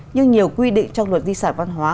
nhưng nhiều quy định trong luật di sản văn hóa